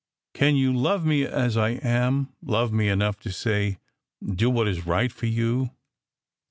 Can you love me as I am, love me enough to say: Do what is right for you?